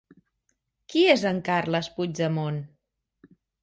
Qui és en Carles Puigdemont?